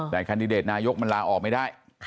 แต่แคนดิเดตนายกมันลาออกไม่ได้